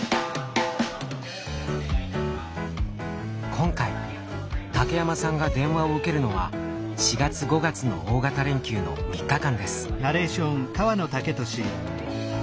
今回竹山さんが電話を受けるのは４月５月の大型連休の３日間です。